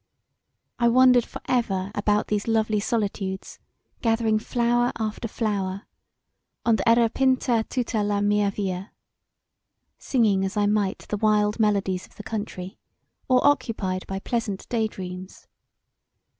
I wandered for ever about these lovely solitudes, gathering flower after flower Ond' era pinta tutta la mia via[B] singing as I might the wild melodies of the country, or occupied by pleasant day dreams.